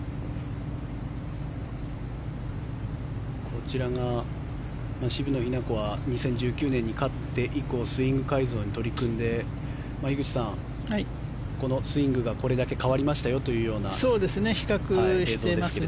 こちらが渋野日向子は２０１９年に勝って以降スイング改造に取り組んで樋口さん、このスイングがこれだけ変わりましたよというような映像ですが。